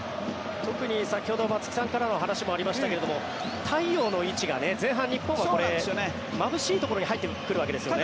特に先ほど松木さんからの話にもありましたが太陽の位置が前半、日本はまぶしいところに入ってくるわけですよね。